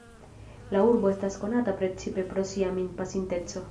La urbo estas konata precipe pro sia min-pasinteco.